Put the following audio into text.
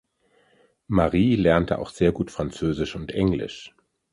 Marie lernte auch sehr gut Französisch und Englisch.